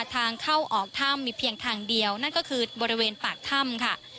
ทางเข้าออกถ้ำมีเพียงทางเดียวนั่นก็คือบริเวณปากถ้ำค่ะ